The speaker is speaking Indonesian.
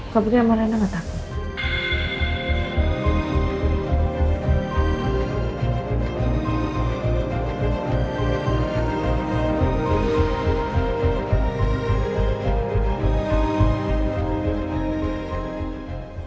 kau pikir sama reina gak takut